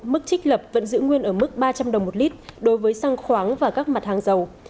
mức trích lập vẫn giữ nguyên ở mức ba trăm linh đồng một lít đối với xăng khoáng và các mặt hàng dầu